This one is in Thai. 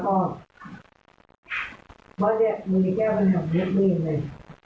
เพราะเนี่ยมูลแก้วมันหยับไม่เห็นเลย